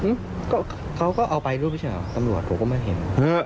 อื้อเค้าก็เอาไปด้วยปะใช่เหรอตำรวจผมก็ไม่เห็น